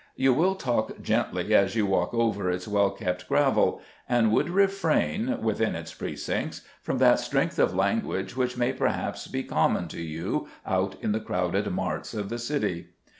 You still talk gently as you walk over its well kept gravel, and would refrain within its precincts from that strength of language which may perhaps be common to you out in the crowded marts of the city.